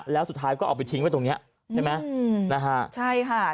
แล้วสุดท้ายก็เอาไปทิ้งไว้ตรงเนี้ยใช่ไหมอืมนะฮะใช่ค่ะ